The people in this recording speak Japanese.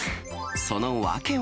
その訳は？